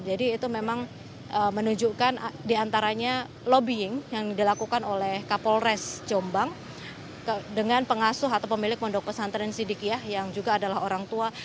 jadi itu memang menunjukkan diantaranya lobbying yang dilakukan oleh kapolres jombang dengan pengasuh atau pemilik pondok pesantren sidikyah yang juga adalah orang tua